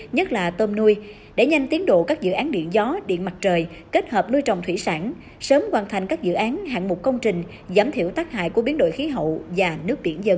nhất là tôm nuôi để nhanh tiến độ các dự án điện gió điện mặt trời kết hợp nuôi trồng thủy sản sớm hoàn thành các dự án hạng mục công trình giảm thiểu tác hại của biến đổi khí hậu và nước biển dân